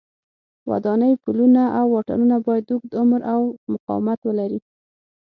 ودانۍ، پلونه او واټونه باید اوږد عمر او مقاومت ولري.